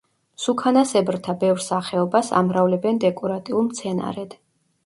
მსუქანასებრთა ბევრ სახეობას ამრავლებენ დეკორატიულ მცენარედ.